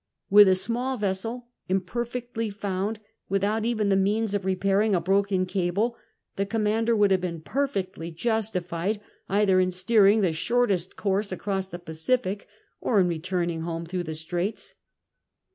With a small vessel, imperfectly found, without even the means of re] liring a broken cable, the com mander would have boon porfectly justified either in steering the shortest course across the Pacific or in returning home through the Straits.